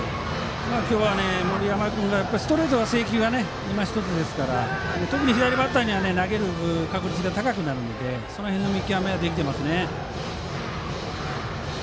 今日は森山君ストレートの制球がいまひとつなので特に左バッターには投げる確率が高くなるのでその辺の見極めができています。